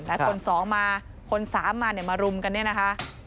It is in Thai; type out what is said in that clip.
แล้วคนสองมาคนสามมามารุมกันนี่นะคะ